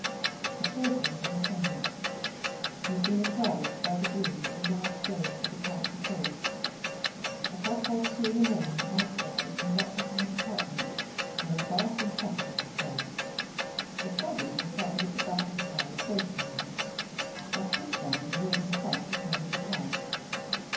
The porter was in attendance; he had been apprised by the groom of the last stage of the count's approach. At half past two in the morning Morcerf was conducted to his apartments, where a bath and supper were prepared. The servant who had travelled at the back of the carriage waited on him; Baptistin, who rode in front, attended the count.